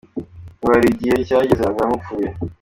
Ngo hari igihe cyageze amera nk’ upfuye.